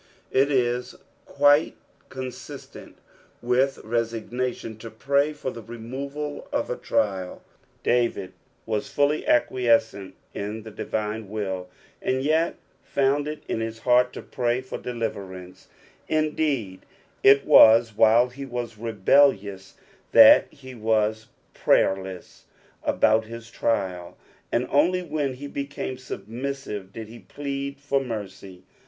It is quite consistent with resignation to pray for the removal of a trial. David was fully acquiescent in Ihe divine will, aoo yet found it in his heart to pray for deliverance ; indeed, it was while he was rebel lious that he was prayerlcsa about his trial, and only when he became submissive did he plead for mercy.